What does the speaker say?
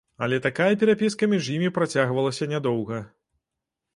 Але такая перапіска між імі працягвалася нядоўга.